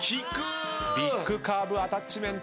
ビッグカーブアタッチメント。